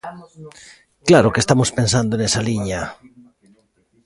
¡Claro que estamos pensando nesa liña!